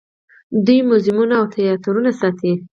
دوی موزیمونه او تیاترونه ساتي.